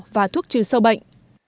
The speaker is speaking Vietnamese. và thuốc trừ sâu bệnh